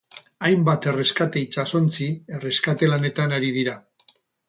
Hainbat erreskate itsasontzi erreskate lanetan ari dira.